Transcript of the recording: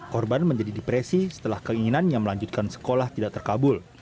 korban menjadi depresi setelah keinginannya melanjutkan sekolah tidak terkabul